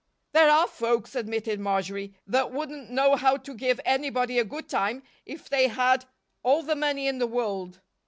"There are folks," admitted Marjory, "that wouldn't know how to give anybody a good time if they had all the money in the world.